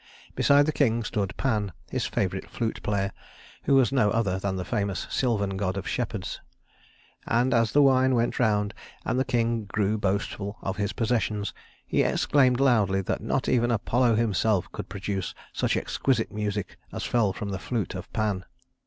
Beside the king stood Pan, his favorite flute player, who was no other than the famous sylvan god of shepherds; and as the wine went round and the king grew boastful of his possessions, he exclaimed loudly that not even Apollo himself could produce such exquisite music as fell from the flute of Pan.